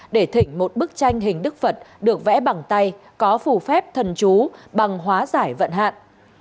để thỉnh một bức tranh hình đức phật được vẽ bằng tay có phủ phép thần trú bằng hóa giải vận hạn